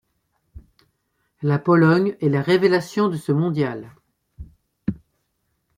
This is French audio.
La Pologne est la révélation de ce mondial.